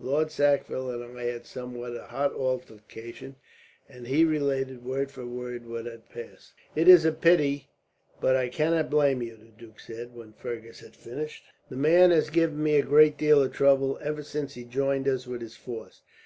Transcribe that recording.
Lord Sackville and I had a somewhat hot altercation;" and he related, word for word, what had passed. "It is a pity, but I cannot blame you," the duke said, when Fergus had finished. "The man has given me a great deal of trouble, ever since he joined us with his force.